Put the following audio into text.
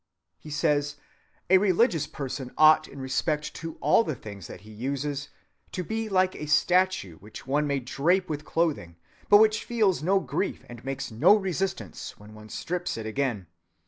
'A religious person,' he says, 'ought in respect to all the things that he uses, to be like a statue which one may drape with clothing, but which feels no grief and makes no resistance when one strips it again.